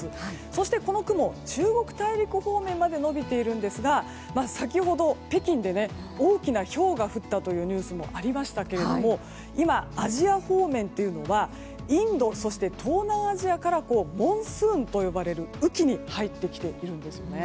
そして、この雲は中国大陸方面まで延びているんですが先ほど北京で大きなひょうが降ったというニュースもありましたけども今、アジア方面というのはインド、東南アジアからモンスーンと呼ばれる雨期に入ってきているんです。